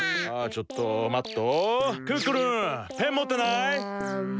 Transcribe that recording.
ちょっと待っと！